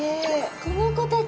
この子たち。